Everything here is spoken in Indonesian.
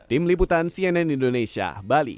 tim liputan cnn indonesia bali